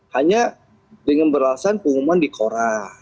hanya dengan perlasan pengumuman di koran